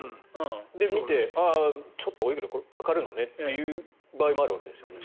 見て、ちょっと多いけどこれくらいかかるのねという場合もあるわけですよね。